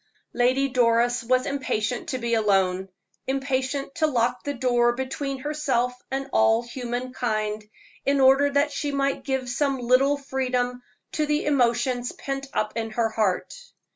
Lady Doris was impatient to be alone impatient to lock the door between herself and all human kind, in order that she might give some little freedom to the emotions pent up in her heart.